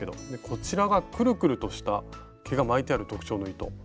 こちらがくるくるとした毛が巻いてある特徴の糸。